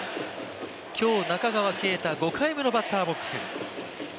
今日、中川圭太は５回目のバッターボックス。